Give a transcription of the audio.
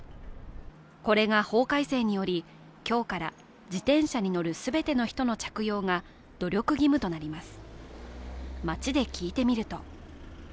これが法改正により今日から自転車に乗る全ての人の着用が努力義務となります。